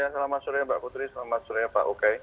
selamat sore mbak putri selamat sore pak ukay